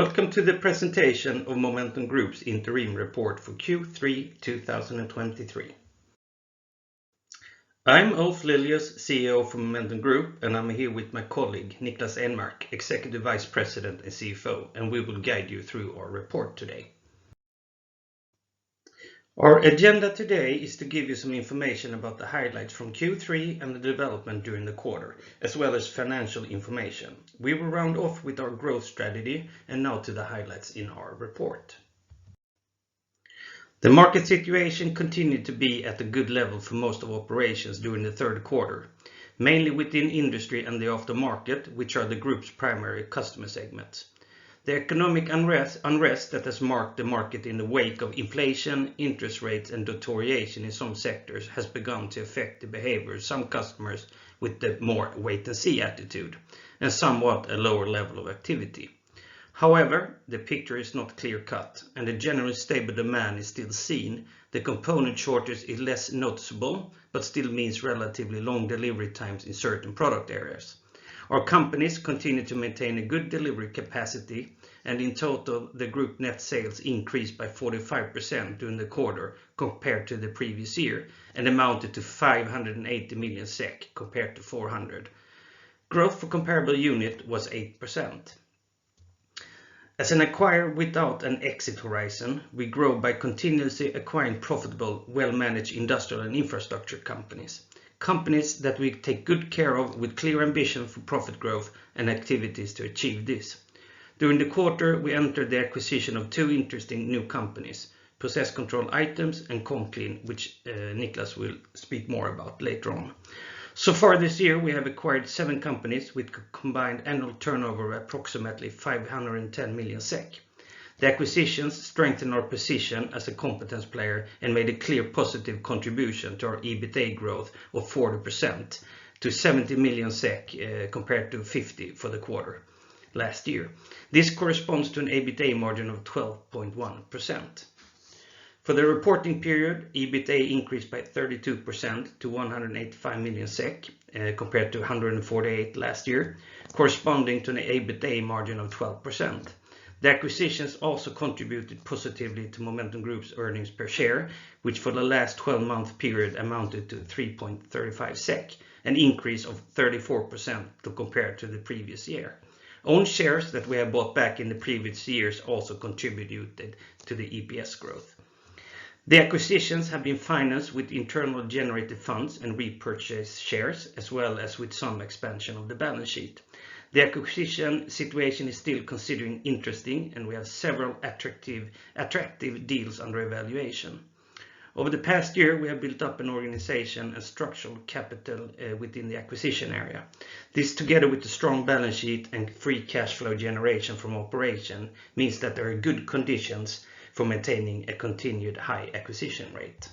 Welcome to the presentation of Momentum Group's interim report for third quarter, 2023. I'm Ulf Lilius, CEO of Momentum Group, and I'm here with my colleague, Niklas Enmark, Executive Vice President and CFO, and we will guide you through our report today. Our agenda today is to give you some information about the highlights from third quarter and the development during the quarter, as well as financial information. We will round off with our growth strategy, and now to the highlights in our report. The market situation continued to be at a good level for most of operations during the third quarter, mainly within industry and the aftermarket, which are the group's primary customer segments. The economic unrest, unrest that has marked the market in the wake of inflation, interest rates, and deterioration in some sectors has begun to affect the behavior of some customers with the more wait and see attitude and somewhat a lower level of activity. However, the picture is not clear-cut, and the general stable demand is still seen. The component shortage is less noticeable, but still means relatively long delivery times in certain product areas. Our companies continue to maintain a good delivery capacity, and in total, the group net sales increased by 45% during the quarter compared to the previous year, and amounted to 580 million SEK compared to 400 million. Growth for comparable unit was 8%. As an acquirer without an exit horizon, we grow by continuously acquiring profitable, well-managed industrial and infrastructure companies. Companies that we take good care of with clear ambition for profit growth and activities to achieve this. During the quarter, we entered the acquisition of two interesting new companies, Processkontroll Items and Conclean, which, Niklas will speak more about later on. So far this year, we have acquired seven companies with combined annual turnover, approximately 510 million SEK. The acquisitions strengthen our position as a competence player and made a clear positive contribution to our EBITA growth of 40% to 70 million SEK, compared to 50 for the quarter last year. This corresponds to an EBITA margin of 12.1%. For the reporting period, EBITA increased by 32% to 185 million SEK, compared to 148 last year, corresponding to an EBITA margin of 12%. The acquisitions also contributed positively to Momentum Group's earnings per share, which for the last 12-month period amounted to 3.35 SEK, an increase of 34% to compare to the previous year. Own shares that we have bought back in the previous years also contributed to the EPS growth. The acquisitions have been financed with internal generated funds and repurchase shares, as well as with some expansion of the balance sheet. The acquisition situation is still considering interesting, and we have several attractive, attractive deals under evaluation. Over the past year, we have built up an organization and structural capital, within the acquisition area. This, together with the strong balance sheet and free cash flow generation from operation, means that there are good conditions for maintaining a continued high acquisition rate.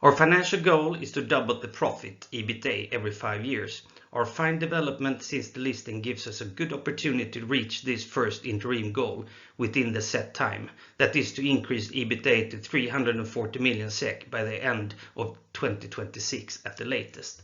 Our financial goal is to double the profit EBITA every five years. Our fine development since the listing gives us a good opportunity to reach this first interim goal within the set time. That is to increase EBITA to 340 million SEK by the end of 2026 at the latest.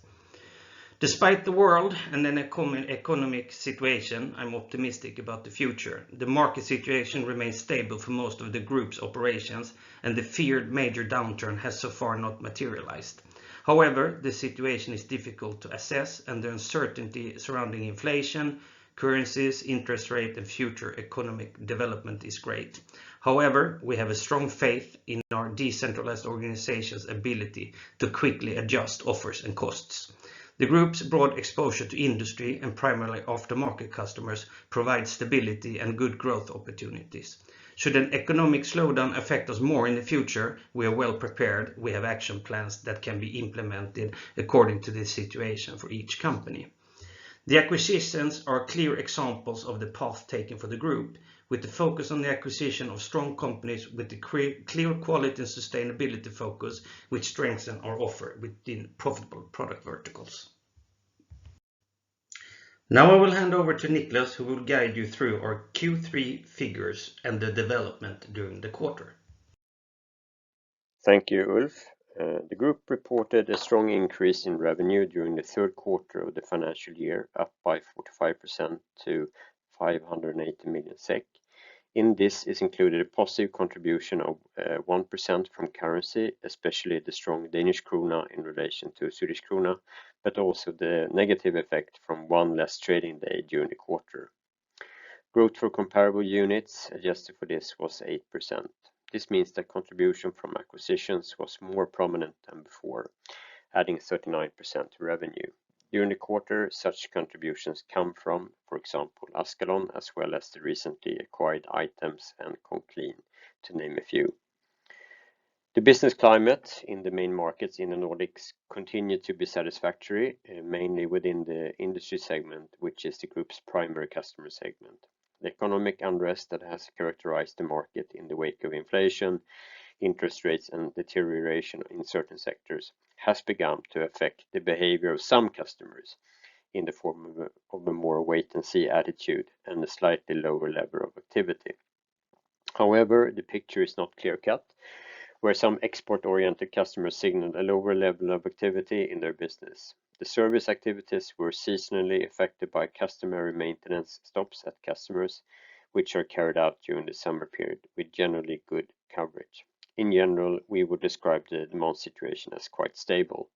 Despite the world and an economic situation, I'm optimistic about the future. The market situation remains stable for most of the group's operations, and the feared major downturn has so far not materialized. However, the situation is difficult to assess, and the uncertainty surrounding inflation, currencies, interest rate, and future economic development is great. However, we have a strong faith in our decentralized organization's ability to quickly adjust offers and costs. The group's broad exposure to industry and primarily aftermarket customers provide stability and good growth opportunities. Should an economic slowdown affect us more in the future, we are well prepared. We have action plans that can be implemented according to the situation for each company. The acquisitions are clear examples of the path taken for the group, with the focus on the acquisition of strong companies with a clear quality and sustainability focus, which strengthen our offer within profitable product verticals. Now, I will hand over to Niklas, who will guide you through our third quarter figures and the development during the quarter. Thank you, Ulf. The group reported a strong increase in revenue during the third quarter of the financial year, up by 45% to 580 million SEK. In this is included a positive contribution of 1% from currency, especially the strong Danish krona in relation to Swedish krona, but also the negative effect from one less trading day during the quarter. Growth for comparable units, adjusted for this, was 8%. This means that contribution from acquisitions was more prominent than before, adding 39% to revenue. During the quarter, such contributions come from, for example, Askalon, as well as the recently acquired Items and Conclean, to name a few. The business climate in the main markets in the Nordics continued to be satisfactory, mainly within the industry segment, which is the group's primary customer segment. The economic unrest that has characterized the market in the wake of inflation, interest rates, and deterioration in certain sectors, has begun to affect the behavior of some customers in the form of a, of a more wait and see attitude and a slightly lower level of activity. However, the picture is not clear-cut, where some export-oriented customers signaled a lower level of activity in their business. The service activities were seasonally affected by customary maintenance stops at customers, which are carried out during the summer period with generally good coverage. In general, we would describe the demand situation as quite stable.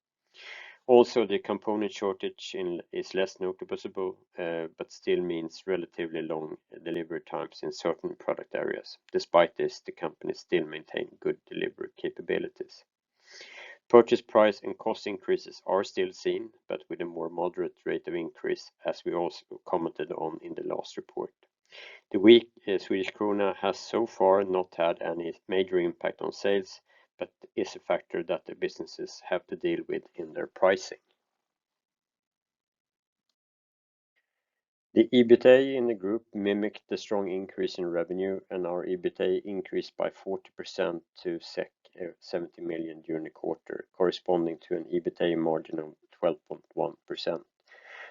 Also, the component shortage is less noticeable, but still means relatively long delivery times in certain product areas. Despite this, the company still maintain good delivery capabilities. Purchase price and cost increases are still seen, but with a more moderate rate of increase, as we also commented on in the last report. The weak Swedish krona has so far not had any major impact on sales, but is a factor that the businesses have to deal with in their pricing. The EBITA in the group mimicked the strong increase in revenue, and our EBITA increased by 40% to 70 million during the quarter, corresponding to an EBITA margin of 12.1%.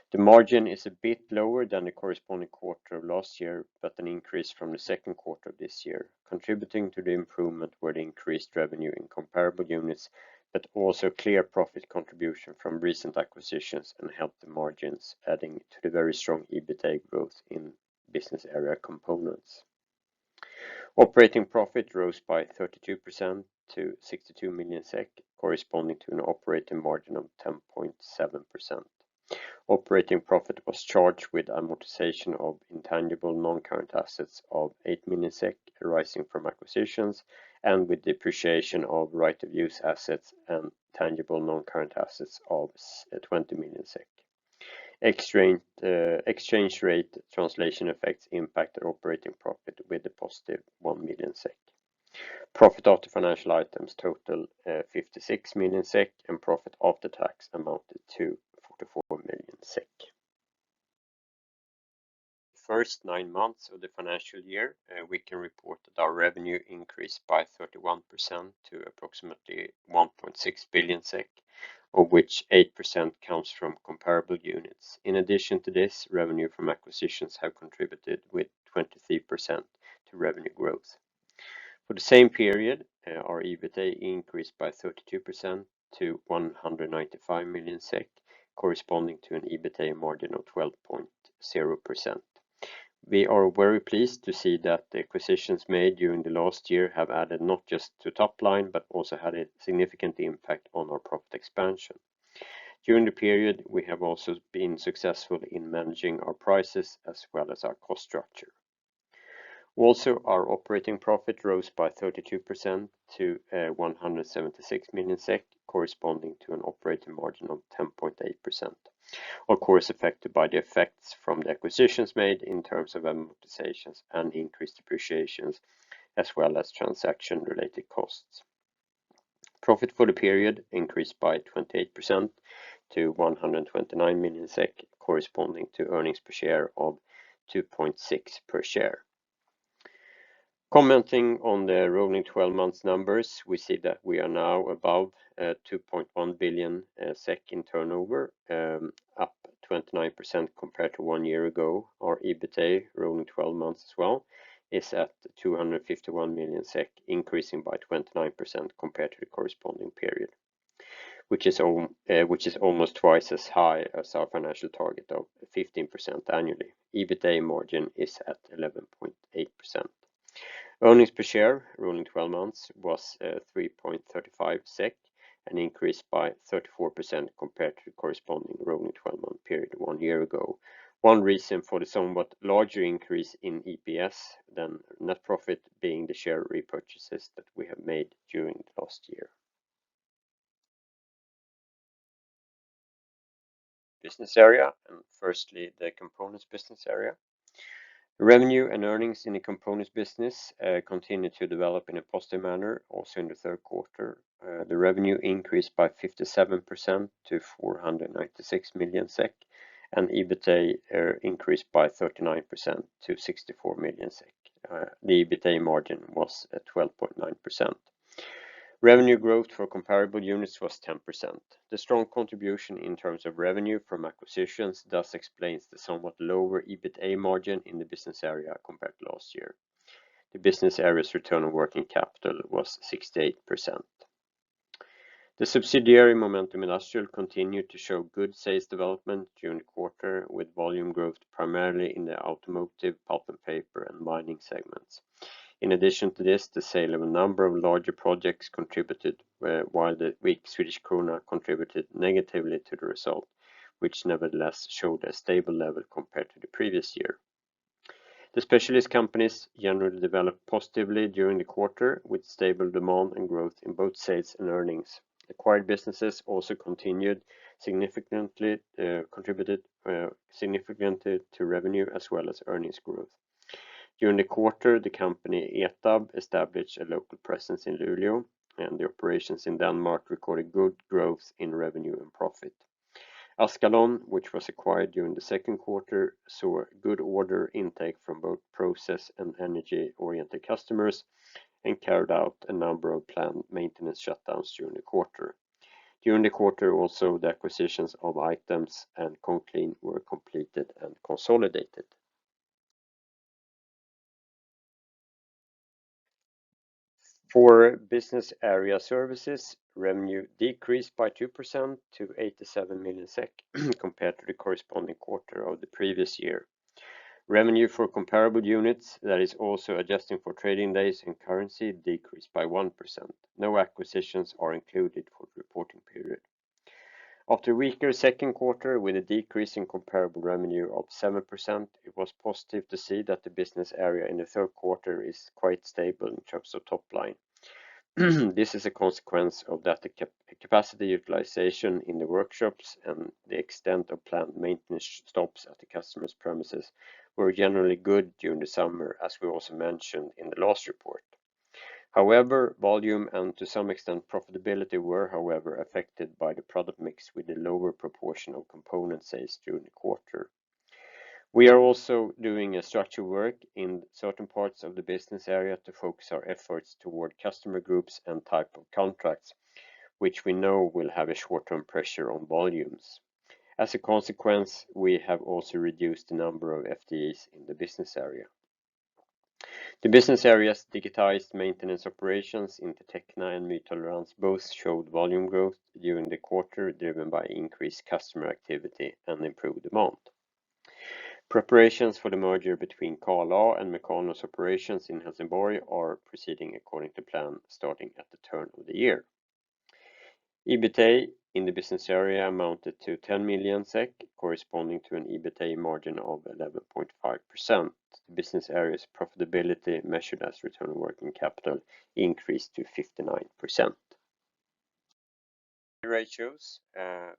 The margin is a bit lower than the corresponding quarter of last year, but an increase from the second quarter of this year, contributing to the improvement where the increased revenue in comparable units, but also clear profit contribution from recent acquisitions and helped the margins, adding to the very strong EBITA growth in Business Area Components. Operating profit rose by 32% to 62 million SEK, corresponding to an operating margin of 10.7%. Operating profit was charged with amortization of intangible non-current assets of 8 million SEK arising from acquisitions and with depreciation of right of use assets and tangible non-current assets of 20 million SEK. Exchange rate translation effects impact the operating profit with a positive 1 million SEK. Profit after financial items total 56 million SEK, and profit after tax amounted to 44 million SEK. First months of the financial year we can report that our revenue increased by 31% to approximately 1.6 billion SEK, of which 8% comes from comparable units. In addition to this, revenue from acquisitions have contributed with 23% to revenue growth. For the same period, our EBITA increased by 32% to 195 million SEK, corresponding to an EBITA margin of 12.0%. We are very pleased to see that the acquisitions made during the last year have added not just to top line, but also had a significant impact on our profit expansion. During the period, we have also been successful in managing our prices as well as our cost structure. Also, our operating profit rose by 32% to 176 million SEK, corresponding to an operating margin of 10.8%. Of course, affected by the effects from the acquisitions made in terms of amortizations and increased depreciations, as well as transaction-related costs. Profit for the period increased by 28% to 129 million SEK, corresponding to earnings per share of 2.6 per share. Commenting on the rolling 12-months numbers, we see that we are now above 2.1 billion SEK in turnover, up 29% compared to one year ago. Our EBITA, rolling 12-months as well, is at 251 million SEK, increasing by 29% compared to the corresponding period, which is almost twice as high as our financial target of 15% annually. EBITA margin is at 11.8%. Earnings per share, rolling 12-months, was 3.35 SEK, an increase by 34% compared to the corresponding rolling 12-month period one year ago. One reason for the somewhat larger increase in EPS than net profit being the share repurchases that we have made during the last year. Business area, and firstly, the components business area. Revenue and earnings in the components business continued to develop in a positive manner, also in the third quarter. The revenue increased by 57% to 496 million SEK, and EBITA increased by 39% to 64 million SEK. The EBITA margin was at 12.9%. Revenue growth for comparable units was 10%. The strong contribution in terms of revenue from acquisitions thus explains the somewhat lower EBITA margin in the business area compared to last year. The business area's return on working capital was 68%. The subsidiary Momentum Industrial continued to show good sales development during the quarter, with volume growth primarily in the automotive, pulp and paper, and mining segments. In addition to this, the sale of a number of larger projects contributed, while the weak Swedish krona contributed negatively to the result, which nevertheless showed a stable level compared to the previous year. The specialist companies generally developed positively during the quarter, with stable demand and growth in both sales and earnings. Acquired businesses also continued significantly, contributed, significantly to revenue as well as earnings growth. During the quarter, the company ETAB established a local presence in Luleå, and the operations in Denmark recorded good growth in revenue and profit. Askalon, which was acquired during the second quarter, saw a good order intake from both process and energy-oriented customers, and carried out a number of planned maintenance shutdowns during the quarter. During the quarter, also, the acquisitions of Items and Conclean were completed and consolidated. For Business Area Services, revenue decreased by 2% to 87 million SEK, compared to the corresponding quarter of the previous year. Revenue for comparable units, that is also adjusting for trading days and currency, decreased by 1%. No acquisitions are included for the reporting period. After a weaker second quarter with a decrease in comparable revenue of 7%, it was positive to see that the business area in the third quarter is quite stable in terms of top line. This is a consequence of that the capacity utilization in the workshops and the extent of plant maintenance stops at the customer's premises were generally good during the summer, as we also mentioned in the last report. However, volume and to some extent profitability were, however, affected by the product mix with a lower proportional component sales during the quarter. We are also doing a structural work in certain parts of the business area to focus our efforts toward customer groups and type of contracts, which we know will have a short-term pressure on volumes. As a consequence, we have also reduced the number of FTEs in the business area. The business area's digitized maintenance operations in the Intertechna and Mättolerans both showed volume growth during the quarter, driven by increased customer activity and improved demand. Preparations for the merger between Carl A. and Mekano's operations in Helsingborg are proceeding according to plan, starting at the turn of the year. EBITA in the business area amounted to 10 million SEK, corresponding to an EBITA margin of 11.5%. The business area's profitability, measured as return on working capital, increased to 59%. The ratios,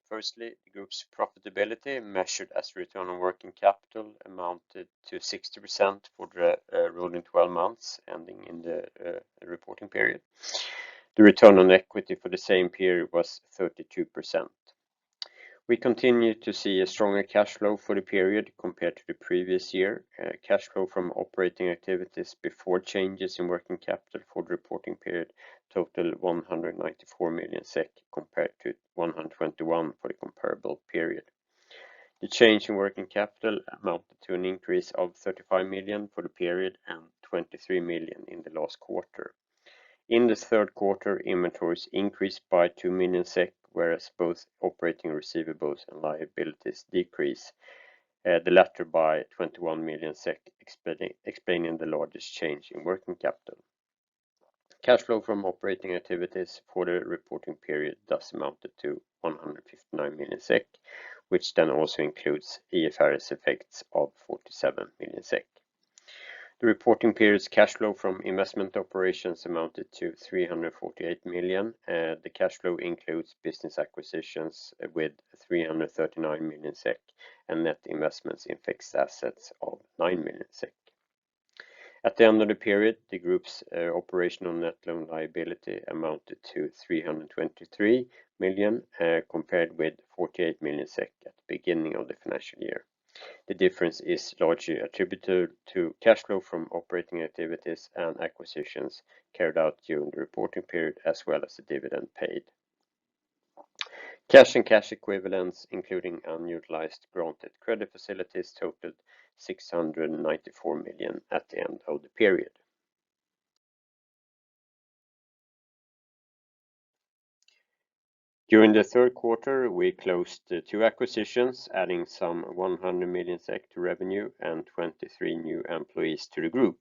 firstly, the group's profitability, measured as return on working capital, amounted to 60% for the rolling 12-months, ending in the reporting period. The return on equity for the same period was 32%. We continue to see a stronger cash flow for the period compared to the previous year. Cash flow from operating activities before changes in working capital for the reporting period totaled 194 million SEK, compared to 121 million for the comparable period. The change in working capital amounted to an increase of 35 million for the period and 23 million in the last quarter. In this third quarter, inventories increased by 2 million SEK, whereas both operating receivables and liabilities decreased, the latter by 21 million SEK, explaining the largest change in working capital. Cash flow from operating activities for the reporting period thus amounted to 159 million SEK, which then also includes IFRS effects of 47 million SEK. The reporting period's cash flow from investment operations amounted to 348 million; the cash flow includes business acquisitions with 339 million SEK, and net investments in fixed assets of 9 million SEK. At the end of the period, the group's operational net loan liability amounted to 323 million, compared with 48 million SEK at the beginning of the financial year. The difference is largely attributed to cash flow from operating activities and acquisitions carried out during the reporting period, as well as the dividend paid. Cash and cash equivalents, including unutilized granted credit facilities, totaled 694 million at the end of the period. During the third quarter, we closed two acquisitions, adding some 100 million SEK to revenue and 23 new employees to the group.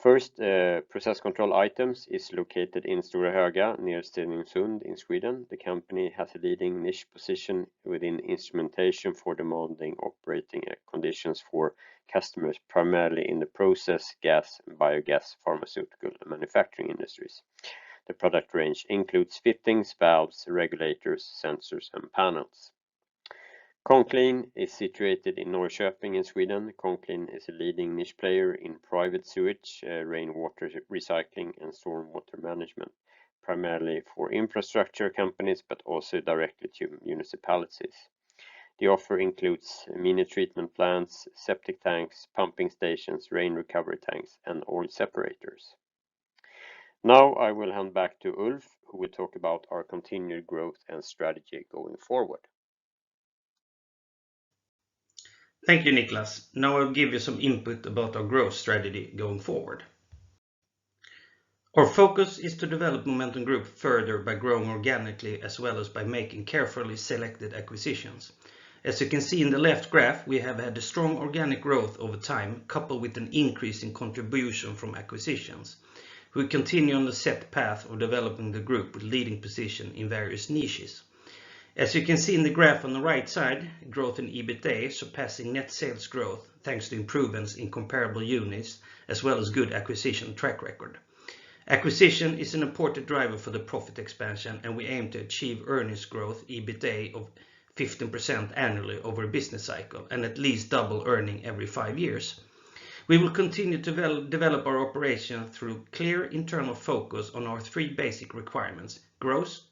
First, Processkontroll Items is located in Stora Höga, near Stenungsund in Sweden. The company has a leading niche position within instrumentation for demanding operating conditions for customers, primarily in the process, gas, biogas, pharmaceutical, and manufacturing industries. The product range includes fittings, valves, regulators, sensors, and panels. Conclean is situated in Norrköping in Sweden. Conclean is a leading niche player in private sewage, rainwater recycling, and stormwater management, primarily for infrastructure companies, but also directly to municipalities. The offer includes mini-treatment plants, septic tanks, pumping stations, rain recovery tanks, and oil separators. Now, I will hand back to Ulf, who will talk about our continued growth and strategy going forward. Thank you, Niklas. Now I'll give you some input about our growth strategy going forward. Our focus is to develop Momentum Group further by growing organically, as well as by making carefully selected acquisitions. As you can see in the left graph, we have had a strong organic growth over time, coupled with an increase in contribution from acquisitions. We continue on the set path of developing the group with leading position in various niches. As you can see in the graph on the right side, growth in EBITA surpassing net sales growth thanks to improvements in comparable units, as well as good acquisition track record. Acquisition is an important driver for the profit expansion, and we aim to achieve earnings growth, EBITA, of 15% annually over a business cycle and at least double earning every five years. We will continue to develop our operation through clear internal focus on our three basic requirements: growth,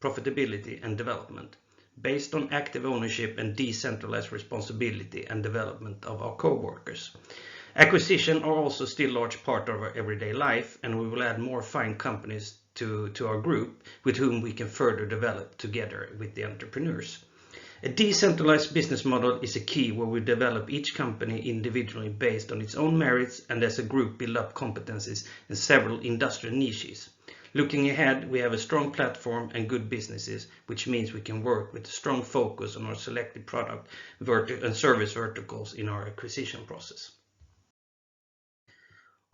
profitability, and development based on active ownership and decentralized responsibility and development of our coworkers. Acquisitions are also still a large part of our everyday life, and we will add more fine companies to our group with whom we can further develop together with the entrepreneurs. A decentralized business model is a key where we develop each company individually based on its own merits, and as a group, build up competencies in several industrial niches. Looking ahead, we have a strong platform and good businesses, which means we can work with a strong focus on our selected product and service verticals in our acquisition process.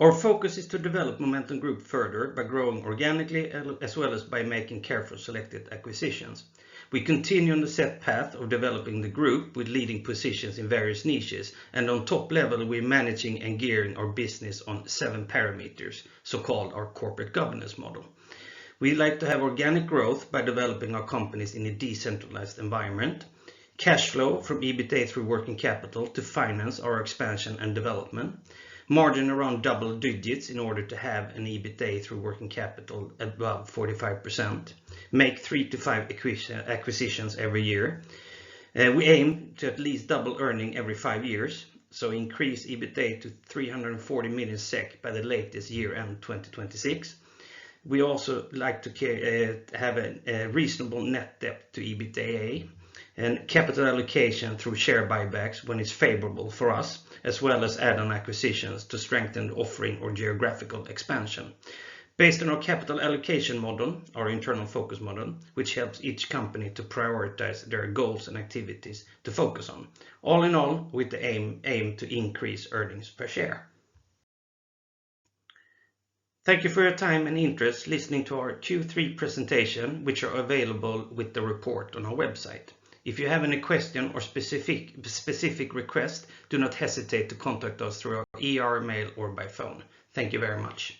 Our focus is to develop Momentum Group further by growing organically, as well as by making careful selected acquisitions. We continue on the set path of developing the group with leading positions in various niches, and on top level, we're managing and gearing our business on seven parameters, so-called our corporate governance model. We like to have organic growth by developing our companies in a decentralized environment. Cash flow from EBITDA through working capital to finance our expansion and development. Margin around double digits in order to have an EBITDA through working capital at above 45%. Make three to five acquisitions, acquisitions every year. We aim to at least double earning every five years, so increase EBITDA to 340 million SEK by the latest year end 2026. We also like to have a reasonable net debt to EBITDA, and capital allocation through share buybacks when it's favorable for us, as well as add-on acquisitions to strengthen the offering or geographical expansion. Based on our capital allocation model, our internal focus model, which helps each company to prioritize their goals and activities to focus on, all in all, with the aim to increase earnings per share. Thank you for your time and interest listening to our third quarter presentation, which are available with the report on our website. If you have any question or specific request, do not hesitate to contact us through our IR mail or by phone. Thank you very much.